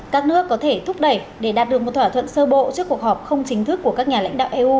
các nước có thể thúc đẩy để đạt được một thỏa thuận sơ bộ trước cuộc họp không chính thức của các nhà lãnh đạo eu